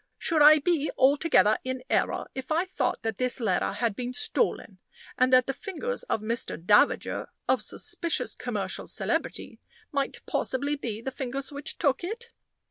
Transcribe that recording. Should I be altogether in error if I thought that this letter had been stolen; and that the fingers of Mr. Davager, of suspicious commercial celebrity, might possibly be the fingers which took it?"